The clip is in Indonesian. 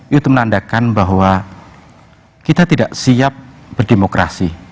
itu menandakan bahwa kita tidak siap berdemokrasi